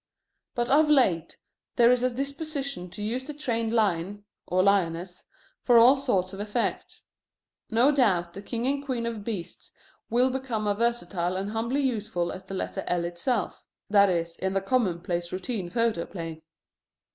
But of late there is a disposition to use the trained lion (or lioness) for all sorts of effects. No doubt the king and queen of beasts will become as versatile and humbly useful as the letter L itself: that is, in the commonplace routine photoplay.